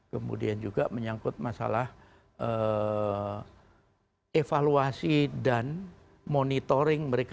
kemudian juga menyangkut masalah evaluasi dan monitoring mereka